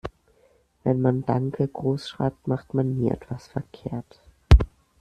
Wenn man "Danke" großschreibt, macht man nie etwas verkehrt.